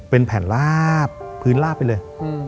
เป็นแผ่นลาบพื้นลาบไปเลย